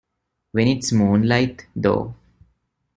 When it's moonlight, though?